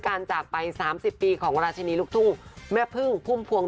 จากไป๓๐ปีของราชินีลูกทุ่งแม่พึ่งพุ่มพวง